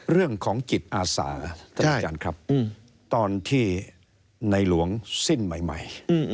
เรื่องของจิตอาสาตอนที่ในหลวงสิ้นใหม่